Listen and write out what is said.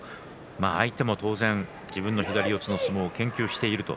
相手も当然自分の左四つの相撲を研究していると。